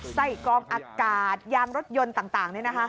ไส้กล้องอากาศยางรถยนต์ต่าง